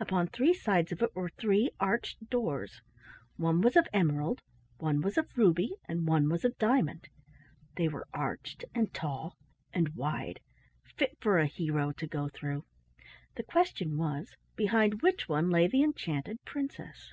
Upon three sides of it were three arched doors; one was of emerald, one was of ruby, and one was of diamond; they were arched, and tall, and wide, — fit for a hero to go through. The question was, behind which one lay the enchanted princess.